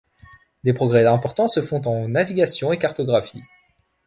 Des progrès importants se font jour en navigation et cartographie.